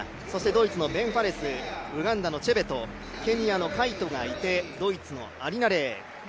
ドイツのベンファレスウガンダのチェベトケニアのカイトがいてドイツのアリナ・レー。